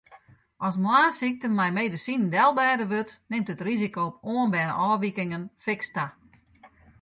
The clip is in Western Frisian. As moarnssykte mei medisinen delbêde wurdt, nimt it risiko op oanberne ôfwikingen fiks ta.